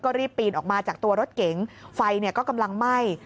รีบปีนออกมาจากตัวรถเก๋งไฟก็กำลังไหม้